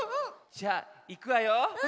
じゃあいくわよ！